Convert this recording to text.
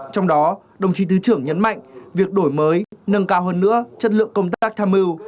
trong đó đồng chí thứ trưởng nhấn mạnh việc đổi mới nâng cao hơn nữa chất lượng công tác tham mưu